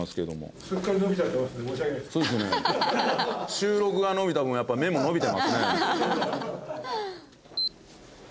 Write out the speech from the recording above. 収録が延びた分やっぱ麺も伸びてますね。